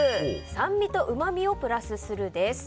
酸味とうま味をプラスするです。